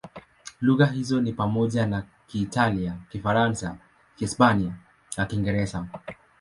Lugha hizo ni pamoja na Kiitalia, Kifaransa, Kihispania na Kiingereza.